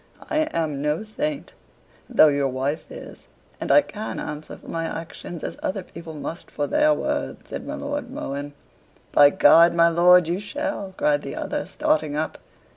"I am no saint, though your wife is and I can answer for my actions as other people must for their words," said my Lord Mohun. "By G , my lord, you shall," cried the other, starting up.